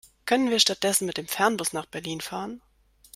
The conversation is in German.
Können wir stattdessen mit dem Fernbus nach Berlin fahren?